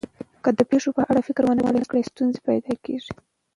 که د پېښو په اړه فکر ونه کړئ، ستونزه پیدا کېږي.